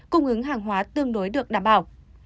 cung ứng hàng hóa tương đối được đảm bảo